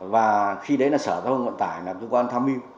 và khi đấy là sở thông vận tải là trung quan tham mưu